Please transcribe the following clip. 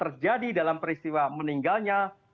terjadi dalam peristiwa meninggalnya